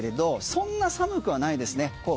そんな寒くはないですね。